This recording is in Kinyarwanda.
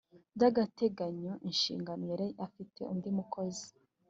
by agateganyo inshingano yari afite undi mukozi